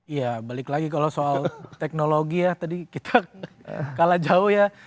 iya balik lagi kalau soal teknologi ya tadi kita kalah jauh ya